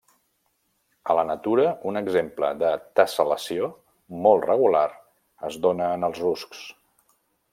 A la natura, un exemple de tessel·lació molt regular es dóna en els ruscs.